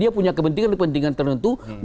punya kepentingan kepentingan tertentu